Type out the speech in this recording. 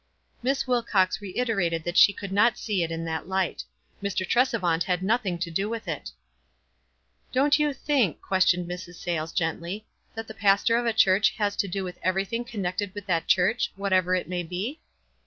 Miss Wilcox reiterated that she could not see it in that light. Mr. Tresevant had nothing to do with it. "Don't you think," questioned Mrs. Sayles, gently, " that the pastor of a church has to do 44 WISE AND OTHERWISE. with everything connected with that church, whatever it may be?"